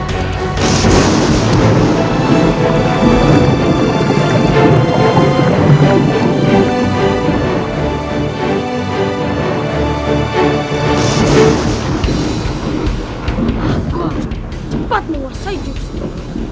aku harus cepat menguasai jurus itu